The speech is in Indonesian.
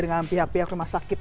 dengan pihak pihak rumah sakit